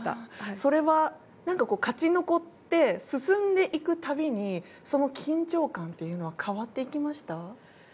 それは勝ち残って進んでいくたびにその緊張感というのは変わっていきました？